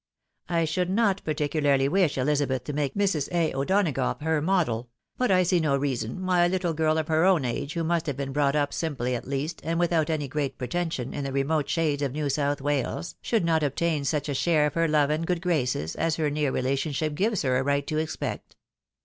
I should not particularly wish Ehzabeth to make Mrs. A. O'Donagough her model ; but I see no reason why a little girl of her own age, who must have been brought up simply at least, and without any great pretension, in the remote shades of New South Wales, should not obtain such a share of her love and good graces, as her near relationship gives her a right to expect.